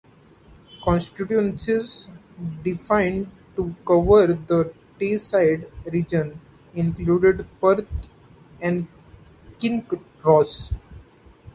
Constituencies defined to cover the Tayside region included Perth and Kinross.